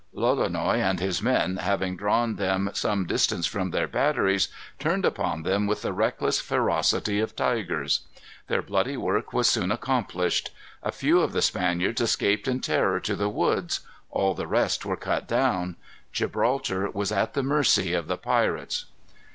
Lolonois and his men, having drawn them some distance from their batteries, turned upon them with the reckless ferocity of tigers. Their bloody work was soon accomplished. A few of the Spaniards escaped in terror to the woods. All the rest were cut down. Gibraltar was at the mercy of the pirates.